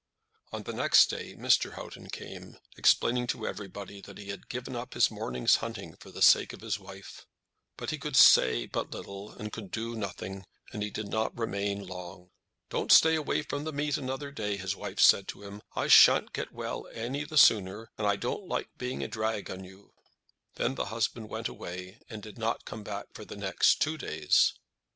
On the next day Mr. Houghton came, explaining to everybody that he had given up his day's hunting for the sake of his wife. But he could say but little, and could do nothing, and he did not remain long. "Don't stay away from the meet another day," his wife said to him; "I shan't get well any the sooner, and I don't like being a drag upon you." Then the husband went away, and did not come for the next two days.